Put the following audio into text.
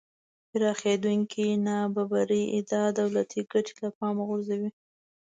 پراخېدونکې نابرابرۍ ادعا دولتی ګټې له پامه غورځوي